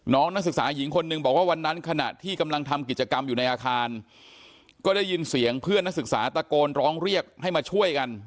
นักศึกษาหญิงคนหนึ่งบอกว่าวันนั้นขณะที่กำลังทำกิจกรรมอยู่ในอาคารก็ได้ยินเสียงเพื่อนนักศึกษาตะโกนร้องเรียกให้มาช่วยกัน